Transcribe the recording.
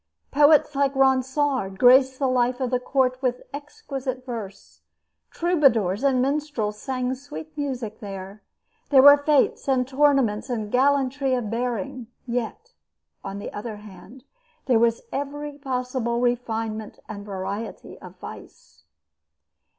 Poets like Ronsard graced the life of the court with exquisite verse. Troubadours and minstrels sang sweet music there. There were fetes and tournaments and gallantry of bearing; yet, on the other hand, there was every possible refinement and variety of vice.